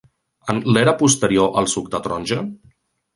En l'era posterior-al-suc-de-taronja?